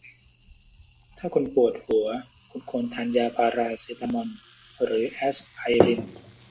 ถ้าคุณปวดหัว คุณควรทานยาพาราเซตามอลหรือแอสไพริน